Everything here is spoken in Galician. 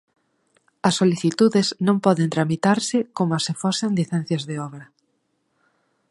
"As solicitudes non poden tramitarse coma se fosen licencias de obra".